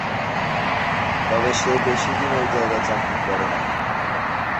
তবে সে বেশিদিন ঐ জায়গায় চাকরি করে না।